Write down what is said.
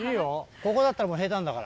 ここだったらもう平坦だから。